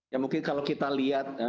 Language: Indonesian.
ya mungkin kalau kita lihat